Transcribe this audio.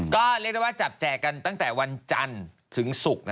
ก็เรียกได้ว่าจับแจกกันตั้งแต่วันจันทร์ถึงศุกร์